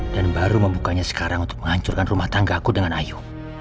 dan baru membukanya sekarang untuk menghancurkan rumah tangga aku dengan ayu